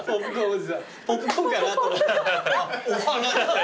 ポップコーンかなと思ったらあっお花。